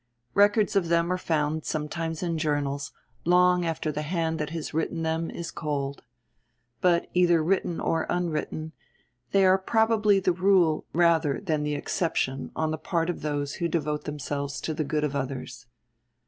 Records of them are found sometimes in journals long after the hand that has written them is cold. But, either written or unwritten, they are probably the rule rather than the exception on the part of those who devote themselves to the good of others.